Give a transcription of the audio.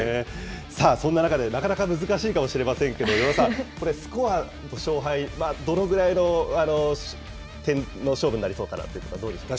さあ、そんな中でなかなか難しいかもしれませんけど、与田さん、スコア、勝敗、どのぐらいの点の勝負になりそうかなっていうところはどうですか。